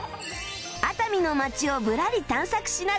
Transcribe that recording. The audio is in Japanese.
熱海の街をぶらり探索しながら